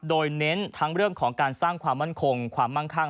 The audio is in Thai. โดยเน้นทั้งเรื่องของการสร้างความมั่นคงความมั่งคั่ง